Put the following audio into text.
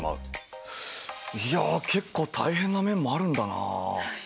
いや結構大変な面もあるんだな。